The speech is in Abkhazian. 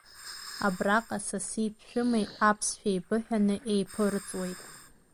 Абраҟа саси-ԥшәымеи аԥсшәа еибыҳәаны еиԥырҵуеит.